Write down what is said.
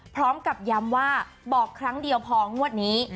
พร้อมกับย้ำว่าบอกครั้งเดียวพองวดนี้